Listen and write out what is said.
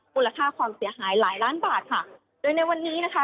มูลค่าความเสียหายหลายล้านบาทค่ะโดยในวันนี้นะคะ